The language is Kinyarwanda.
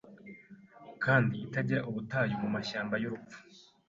kandi itagira ubutayu Mu mashyamba yurupfu